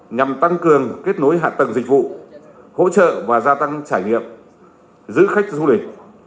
nhằm tăng cường kết nối hạ tầng dịch vụ hỗ trợ và gia tăng trải nghiệm giữ khách du lịch